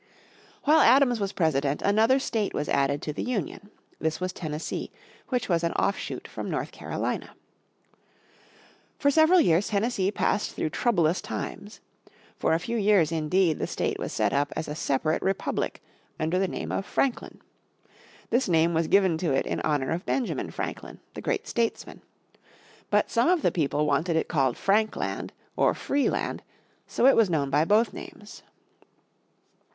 While Adams was President, in 1796, another state was added to the Union. This was Tennessee, which was an offshoot from North Carolina. For several years Tennessee passed through troublous times. For a few years, indeed, the state was set up as a separate republic, under the name of Franklin. This name was given to it in honour of Benjamin Franklin, the great statesman. But some of the people wanted it called Frankland or Freeland so it was known by both names.